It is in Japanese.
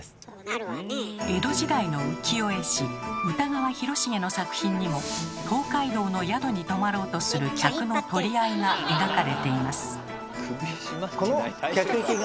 江戸時代の浮世絵師歌川広重の作品にも東海道の宿に泊まろうとする客の取り合いが描かれています。